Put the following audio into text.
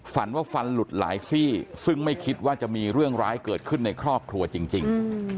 ฝันว่าฟันหลุดหลายซี่ซึ่งไม่คิดว่าจะมีเรื่องร้ายเกิดขึ้นในครอบครัวจริง